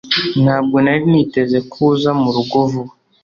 Ntabwo nari niteze ko uza murugo vuba